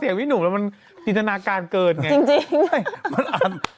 เสียงนี้หนูมันจินทนาการเกินไงจริง